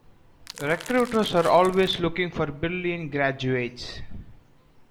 Recruiters are always looking for brilliant graduates.